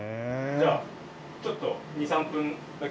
じゃあちょっと２３分だけ。